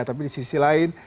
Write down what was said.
tapi di sisi lain